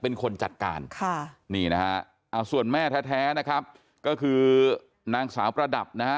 เป็นแม่บุญธรรมที่ดูแลเขามาตลอดเนี่ยเป็นคนจัดการส่วนแม่แท้นะครับก็คือนางสาวประดับนะ